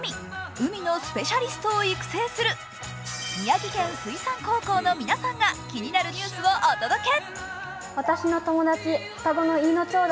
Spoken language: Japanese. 海のスペシャリストを育成する宮城県水産高校の皆さんが気になるニュースをお届け。